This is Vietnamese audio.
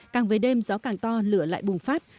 càng về đêm gió càng to lửa lại bùng phát